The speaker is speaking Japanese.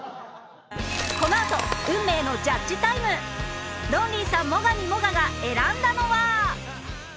このあと運命のジャッジタイムロンリーさん最上もがが選んだのは？